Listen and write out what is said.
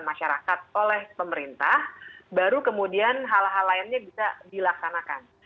masyarakat oleh pemerintah baru kemudian hal hal lainnya bisa dilaksanakan